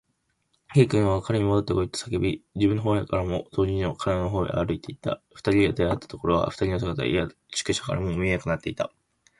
Ｋ は彼にもどってこいと叫び、自分のほうからも同時に彼のほうへ歩いていった。二人が出会ったところでは、二人の姿は宿屋からはもう見えなくなっていた。